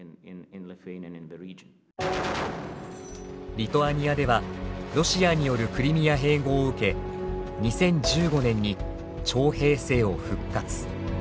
リトアニアではロシアによるクリミア併合を受け２０１５年に徴兵制を復活。